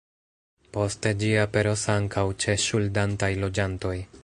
Poste ĝi aperos ankaŭ ĉe ŝuldantaj loĝantoj.